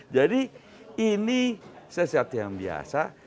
jadi ini sesatian biasa